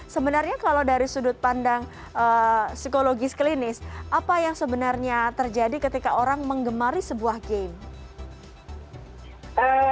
sebenarnya kalau dari sudut pandang psikologis klinis apa yang sebenarnya terjadi ketika orang mengemari sebuah game